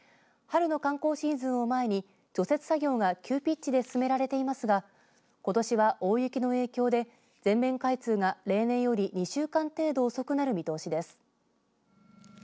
春の観光シーズンを前に除雪作業が急ピッチで進められていますがことしは大雪の影響で全面開通が例年より２週間程度遅くなる見通しです。